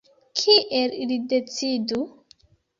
Kiel ili decidu?